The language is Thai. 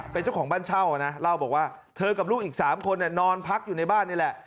เป็นเจ้าของบ้านเช่านะเล่าบอกว่าเธอกับลูกอีก๓คนนอนพักอยู่ในบ้านนี่แหละ